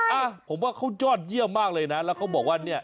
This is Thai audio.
อ่ะผมว่าเขายอดเยี่ยมมากเลยนะแล้วเขาบอกว่าเนี่ย